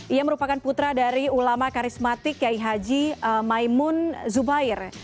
ia merupakan putra dari ulama karismatik kiai haji maimun zubair